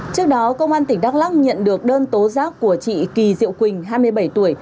trước đó công an tỉnh đắk lắc nhận được đơn tố giác của chị kỳ diệu quỳnh hai mươi bảy tuổi